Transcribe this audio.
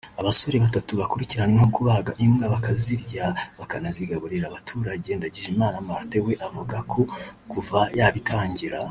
Abasore batatu bakurikiranyweho kubaga imbwa bakazirya bakanazigaburira abaturage Ndagijimana Martin we avuga ko kuva yabitangira